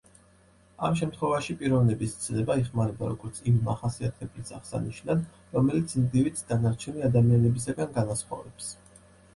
ამ შემთხვევაში, პიროვნების ცნება იხმარება როგორც იმ მახასიათებლის აღსანიშნად, რომელიც ინდივიდს დანარჩენი ადამიანებისაგან განასხვავებს.